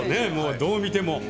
どう見ても。